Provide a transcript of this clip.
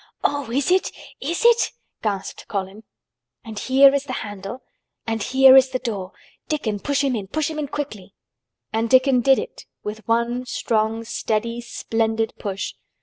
"Oh! is it—is it!" gasped Colin. "And here is the handle, and here is the door. Dickon push him in—push him in quickly!" And Dickon did it with one strong, steady, splendid push.